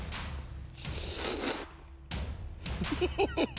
フフフフ！